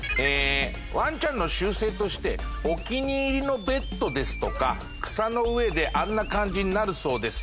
ワンちゃんの習性としてお気に入りのベッドですとか草の上であんな感じになるそうです。